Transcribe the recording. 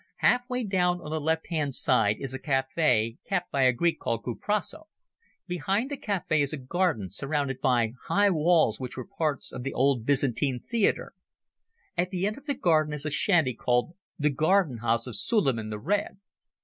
Half way down on the left hand side is a cafe kept by a Greek called Kuprasso. Behind the cafe is a garden, surrounded by high walls which were parts of the old Byzantine Theatre. At the end of the garden is a shanty called the Garden house of Suliman the Red.